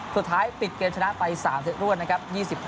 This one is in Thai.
สุดท้ายปิดเกมชนะไป๓เซตรวดนะครับ